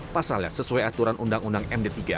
pasal lihat sesuai aturan undang undang md tiga